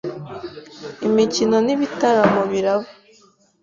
imikino n’ibitaramo biraba